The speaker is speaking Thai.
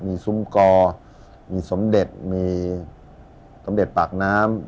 มีซุ้มกอมีสมเด็จมีสมเด็จปากน้ำ